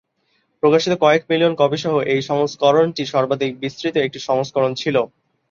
প্রকাশিত কয়েক million copy সহ এই সংস্করণটি সর্বাধিক বিস্তৃত একটি সংস্করণ ছিল।